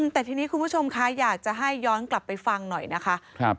แต่ทีนี้คุณผู้ชมคะอยากจะให้ย้อนกลับไปฟังหน่อยนะคะ